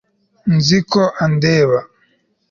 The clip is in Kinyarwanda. nzi ko andeba